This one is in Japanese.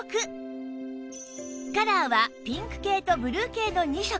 カラーはピンク系とブルー系の２色